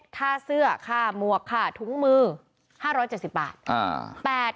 ค่าเสื้อค่าหมวกค่าถุงมือ๕๗๐บาท